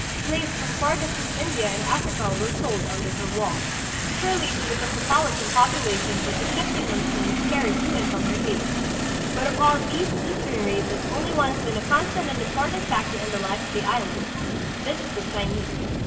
Slaves from far distant India and Africa were sold under her walls. Surely it was a cosmopolitan popu lation that the shifting monsoons carried to and from her gates. But of all these Eastern races only one has been a constant and important factor in the life of the Islands. This is the Chinese.